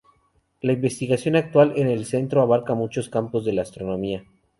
La investigación actual en el centro abarca muchos campos de la astronomía.